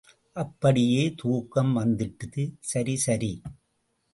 அப்படியே தூக்கம் வந்திட்டுது. சரி சரி.